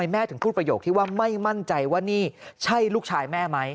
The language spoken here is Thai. แม่ถึงพูดประโยคที่ว่าไม่มั่นใจว่านี่ใช่ลูกชายแม่ไหม